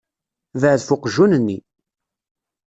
Beɛɛed ɣef uqjun-nni.